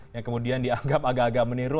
yang kemudian dianggap agak agak meniru